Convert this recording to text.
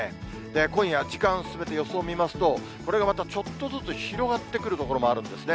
今夜、時間進めて予想見ますと、これがまたちょっとずつ広がってくる所もあるんですね。